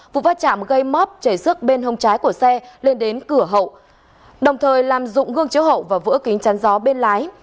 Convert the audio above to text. vụ phát trạm gây móp chảy sức bên hông trái của xe lên đến cửa hậu đồng thời làm rụng gương chữa hậu và vỡ kính chắn gió bên lái